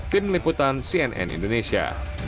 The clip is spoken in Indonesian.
tim liputan cnn indonesia